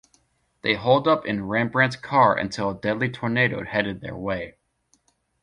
They holed up in Rembrandt's car until a deadly tornado headed their way.